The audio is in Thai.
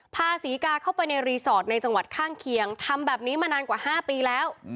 พาศรีกาเข้าไปในรีสอร์ทในจังหวัดข้างเคียงทำแบบนี้มานานกว่า๕ปีแล้ว